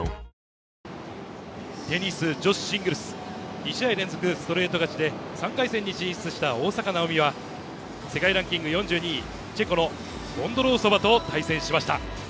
２試合連続ストレート勝ちで、３回戦に進出した大坂なおみは、世界ランキング４２位、チェコのボンドロウソバと対戦しました。